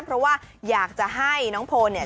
เพราะว่าอยากจะให้น้องโพนเนี่ย